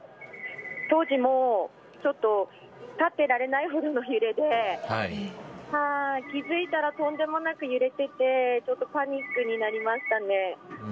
当時、もうちょっと立っていられないほどの揺れで気づいたらとんでもなく揺れててちょっとパニックになりましたね。